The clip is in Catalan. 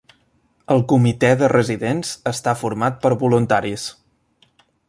El comitè de residents està format per voluntaris.